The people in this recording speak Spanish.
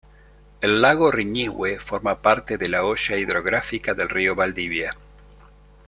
El lago Riñihue forma parte de la hoya hidrográfica del río Valdivia.